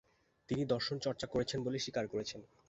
তিনি দর্শন চর্চা করেছেন বলে স্বীকার করেছেন।